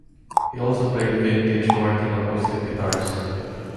He also played vintage Martin acoustic guitars.